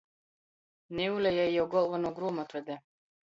Niule jei jau golvonuo gruomotvede.